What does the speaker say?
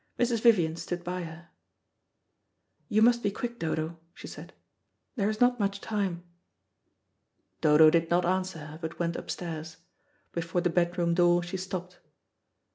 Vivian stood by her. "You must be quick, Dodo," she said. "There is not much time." Dodo did not answer her, but went upstairs. Before the bedroom door she stopped.